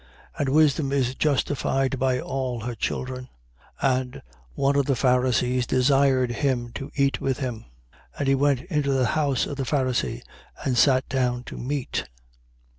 7:35. And wisdom is justified by all her children. 7:36. And one of the Pharisees desired him to eat with him. And he went into the house of the Pharisee and sat down to meat.